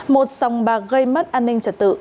một dòng bạc gây mất an ninh trật tự